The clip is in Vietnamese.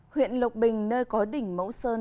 huyện lộc bình nơi có đỉnh mẫu sơn